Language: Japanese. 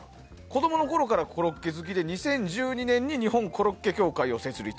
子供のころからコロッケ好きで２０１２年に日本コロッケ協会を設立。